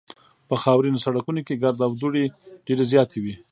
په خاورینو سړکونو کې ګرد او دوړې ډېرې زیاتې وې